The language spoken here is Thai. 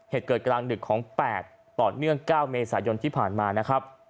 เหตุเกิดกลางดึกของ๘ต่อเนื่อง๙เมษายนที่ผ่านมานะครับ